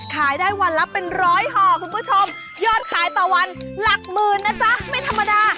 ขายได้วันละเป็นร้อยห่อคุณผู้ชมยอดขายต่อวันหลักหมื่นนะจ๊ะไม่ธรรมดา